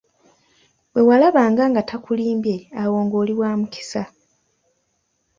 Bwewalabanga nga takulimbye awo nga oli wamukisa.